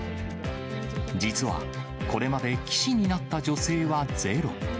実はこれまで棋士になった女性はゼロ。